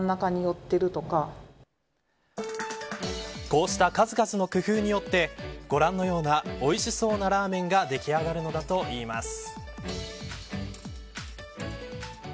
こうした数々の工夫によってご覧のようなおいしそうなラーメンができ上がるといいます。